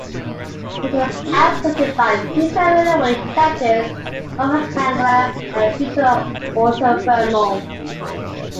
He was outpointed by future middleweight champions Marvin Hagler and Vito Antuofermo.